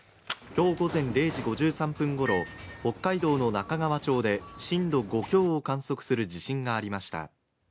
今日午前０時５３分ごろ北海道の中川町で震度５強を観測する地震がありました。